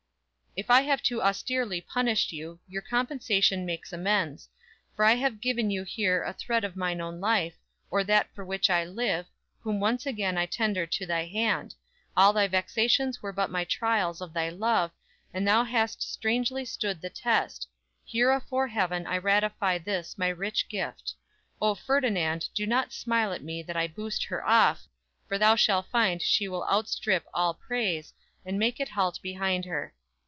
_"If I have too austerely punished you, Your compensation makes amends; for I Have given you here a thread of mine own life, Or that for which I live; whom once again I tender to thy hand; all thy vexations were but my trials of thy love, and thou Hast strangely stood the test; here afore heaven I ratify this my rich gift. O, Ferdinand, Do not smile at me, that I boost her off, For thou shall find she will outstrip all praise, And make it halt behind her.